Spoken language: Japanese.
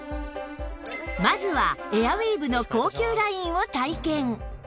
まずはエアウィーヴの高級ラインを体験